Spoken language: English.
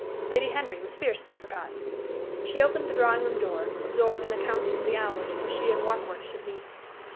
Lady Henry was fiercely forgotten. She opened the drawing room door, absorbed in a counting of the hours till she and Warkworth should meet.